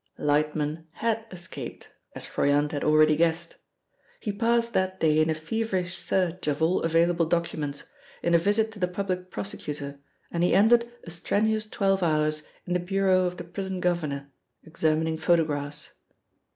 Lightman had escaped, as Froyant had already guessed. He passed that day in a feverish search of all available documents, in a visit to the Public Prosecutor, and he ended a strenuous twelve hours in the bureau of the prison governor, examining photographs.